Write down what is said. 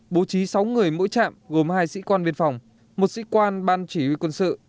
bố trí sáu người mỗi trạm gồm hai sĩ quan biên phòng một sĩ quan ban chỉ huy quân sự